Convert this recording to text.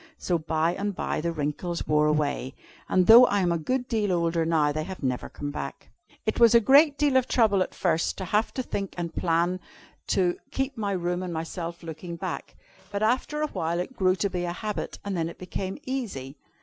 So by and by the wrinkles wore away, and though I am a good deal older now, they have never come back. "It was a great deal of trouble at first to have to think and plan to keep my room and myself looking nice. But after a while it grew to be a habit, and then it became easy.